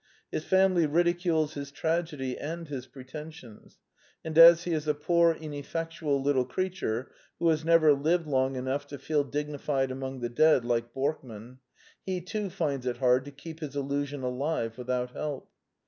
His family ridi cules his tragedy and his pretensions; and as he is a poor ineffectual little creature who has never lived enough to feel dignified among the dead, like Borkman, he too finds it hard to keep his illusion alive without help.